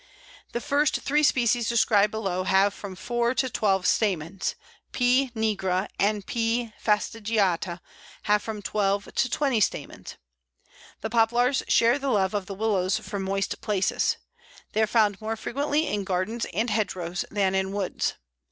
The first three species described below have from four to twelve stamens; P. nigra and P. fastigiata have from twelve to twenty stamens. The Poplars share the love of the Willows for moist places. They are found more frequently in gardens and hedgerows than in woods.